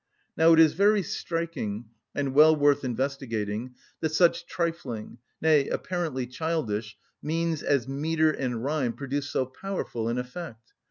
Now it is very striking, and well worth investigating, that such trifling, nay, apparently childish, means as metre and rhyme produce so powerful an effect.